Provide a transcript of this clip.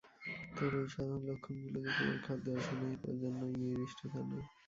তবে এই সাধারণ লক্ষণগুলো যে কেবল খাদ্যে অসহনীয়তার জন্যই নির্দিষ্ট—তা নয়।